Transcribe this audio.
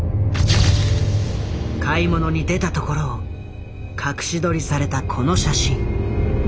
買い物に出たところを隠し撮りされたこの写真。